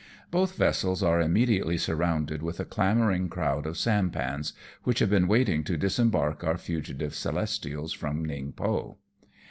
Both vessels are immediately surrounded with a clamouring crowd of sampans, which have been waiting to disembark our fugitive Celestials from Ningpo.